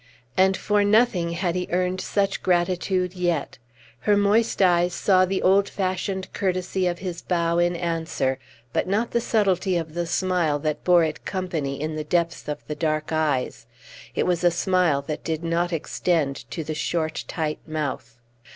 And for nothing had he earned such gratitude yet; her moist eyes saw the old fashioned courtesy of his bow in answer, but not the subtlety of the smile that bore it company in the depths of the dark eyes: it was a smile that did not extend to the short, tight mouth.